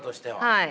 はい？